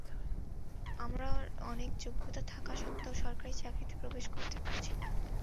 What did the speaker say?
আমরা অনেক যোগ্যতা থাকা সত্ত্বেও সরকারি চাকরিতে প্রবেশ করতে পারছি না।